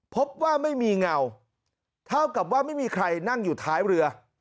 พบว่าไม่มีเงาเท่ากับว่าไม่มีใครนั่งอยู่ท้ายเรือ